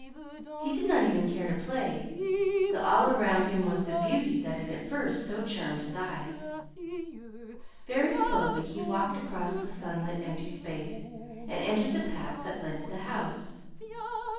He did not even care to play, though all around him was the beauty that had at first so charmed his eye. Very slowly he walked across the sunlit, empty space, and entered the path that led to the house.